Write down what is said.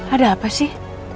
ada apa sih